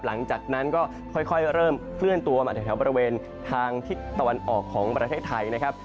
หลังจากนั้นก็ค่อยเริ่มเคลื่อนตัวมาจากแถวบริเวณทางทิศตะวันออกของประเทศไทยนะครับ